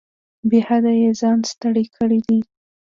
بې حده یې ځان ستړی کړی دی.